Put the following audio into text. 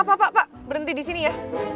pak pak pak berhenti disini ya